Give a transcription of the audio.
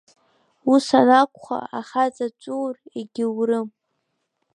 Ус анакәха, ахаҵа дҵәуар, егьаурым.